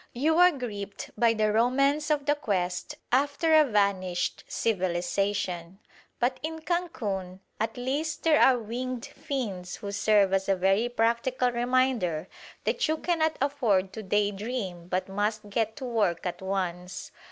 You are gripped by the romance of the quest after a vanished civilisation. But in Cancun at least there are winged fiends who serve as a very practical reminder that you cannot afford to day dream but must get to work at once.